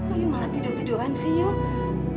oh you malah tidur tiduran sih you